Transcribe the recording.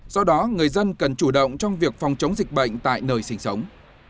do đó người dân cần chủ động trong việc phòng chống dịch bệnh tại nơi sinh sống